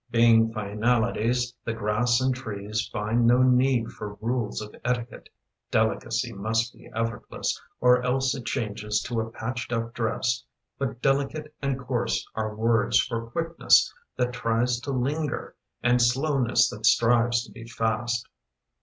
" Being finalities, the grass and trees Find no need for rules of etiquette. Delicacy must be effortless Or else it changes to a patched up dress. But delicate and coarse are words For quickness that tries to linger, And slowness that strives to be fast!